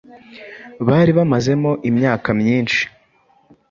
bari bamazemo imyaka myinshi